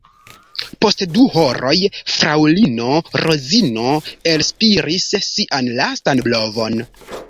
Post du horoj fraŭlino Rozino elspiris sian lastan blovon.